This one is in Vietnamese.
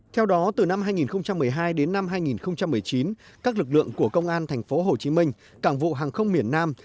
theo đó từ năm hai nghìn một mươi hai đến năm hai nghìn một mươi chín các lực lượng của công an tp hcm cảng vụ hàng không miền nam